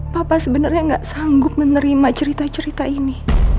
papa sebenernya gak sanggup menerima cerita cerita ini